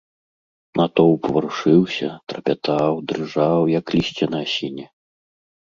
Натоўп варушыўся, трапятаў, дрыжаў, як лісце на асіне.